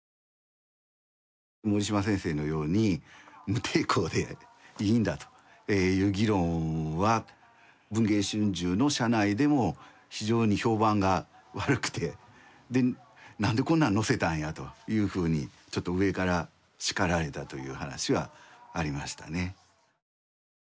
森嶋先生のように無抵抗でいいんだという議論は文藝春秋の社内でも非常に評判が悪くてで「なんでこんなん載せたんや」というふうにちょっと上から叱られたという話はありましたね。